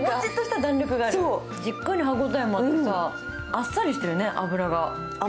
じっくり歯応えもあってさ、あっさりしてるね、脂が。